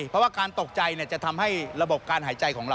เพราะว่าการตกใจจะทำให้ระบบการหายใจของเรา